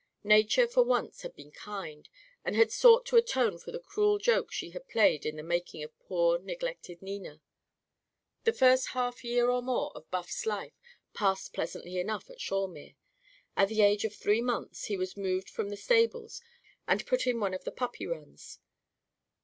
Nature, for once, had been kind, and had sought to atone for the cruel joke she had played in the making of poor, neglected Nina. The first half year or more of Buff's life passed pleasantly enough at Shawemere. At the age of three months he was moved from the stables and put in one of the puppy runs.